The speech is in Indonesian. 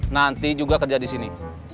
nanti juga kerja disini